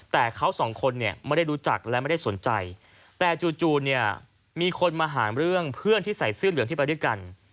แต่เขาสองคนเนี่ยไม่ได้รู้จักและไม่ได้สนใจแต่จู่เนี่ยมีคนมาหาเรื่องเพื่อนที่ใส่เสื้อเหลืองที่ไปด้วยกัน